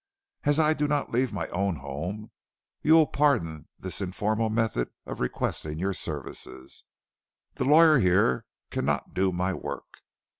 "As I do not leave my own home, you will pardon this informal method of requesting your services. The lawyer here cannot do my work.